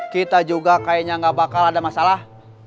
kita juga kayaknya nggak bakal ada masalah